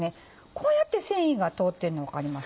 こうやって繊維が通ってんの分かります？